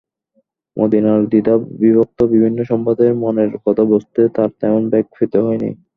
মদিনার দ্বিধাবিভক্ত বিভিন্ন সম্প্রদায়ের মনের কথা বুঝতে তাঁর তেমন বেগ পেতে হয়নি।